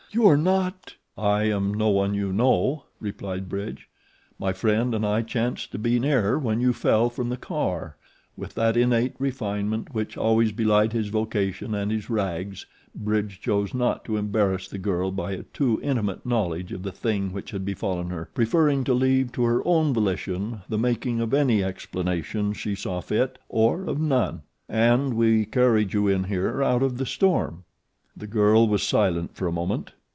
"You are not ?" "I am no one you know," replied Bridge. "My friend and I chanced to be near when you fell from the car " with that innate refinement which always belied his vocation and his rags Bridge chose not to embarrass the girl by a too intimate knowledge of the thing which had befallen her, preferring to leave to her own volition the making of any explanation she saw fit, or of none "and we carried you in here out of the storm." The girl was silent for a moment.